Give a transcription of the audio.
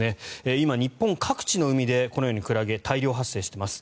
今、日本各地の海でこのようにクラゲが大量発生しています。